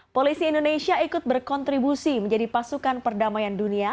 polisi indonesia ikut berkontribusi menjadi pasukan perdamaian dunia